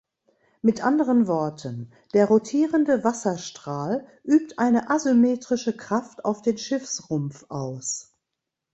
Mit anderen Worten: der rotierende Wasserstrahl übt eine asymmetrische Kraft auf den Schiffsrumpf aus.